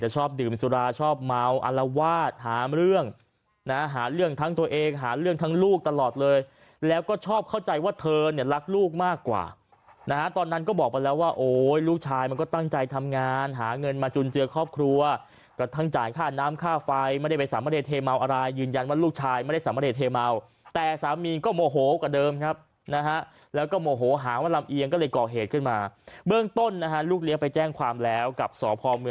แต่ชอบดื่มสุราชอบเมาอัลวาสหาเรื่องนะหาเรื่องทั้งตัวเองหาเรื่องทั้งลูกตลอดเลยแล้วก็ชอบเข้าใจว่าเธอเนี่ยรักลูกมากกว่านะตอนนั้นก็บอกมาแล้วว่าโอ้ยลูกชายมันก็ตั้งใจทำงานหาเงินมาจุนเจือครอบครัวกระทั่งจ่ายค่าน้ำค่าไฟไม่ได้ไปสามารถให้เทเมาอะไรยืนยันว่าลูกชายไม่ได้สามารถให้เทเมาแต่สาม